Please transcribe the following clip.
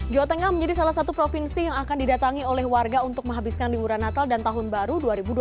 jawa tengah menjadi salah satu provinsi yang akan didatangi oleh warga untuk menghabiskan liburan natal dan tahun baru dua ribu dua puluh satu